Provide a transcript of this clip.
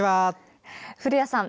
古谷さん